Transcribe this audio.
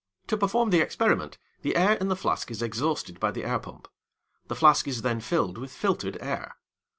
To perform the experiment, the air in the flask is exhausted by the air pump. The flask is then filled with filtered air.